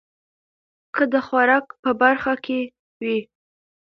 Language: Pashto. که د خوراک په برخه کې وي